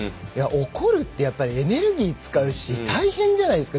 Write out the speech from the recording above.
怒るってエネルギー使うし大変じゃないですか。